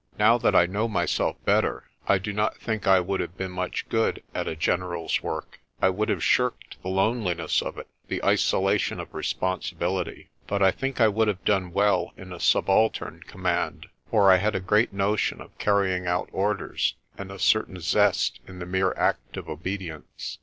Now that I know myself better I do not think I would have been much good at a general's work. I would have shirked the lone liness of it, the isolation of responsibility. But I think I would have done well in a subaltern command, for I had a great notion of carrying out orders and a certain zest in the mere act of obedience.